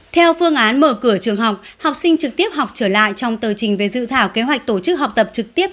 theo phương án mở cửa trường học học sinh trực tiếp học trở lại trong tờ trình về dự thảo kế hoạch tổ chức học tập trực tiếp